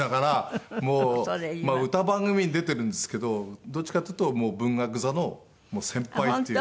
まあ歌番組に出てるんですけどどっちかっていうともう文学座の先輩っていう。